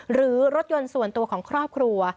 หรือรถยนต์ส่วนตัวของครอบครัว